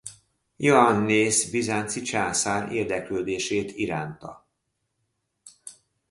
Ióannész bizánci császár érdeklődését iránta.